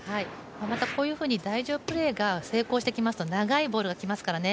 またこういうふうに台上プレーが成功しますと長いボールがきますからね。